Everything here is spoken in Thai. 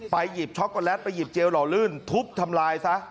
หยิบช็อกโกแลตไปหยิบเจลหล่อลื่นทุบทำลายซะ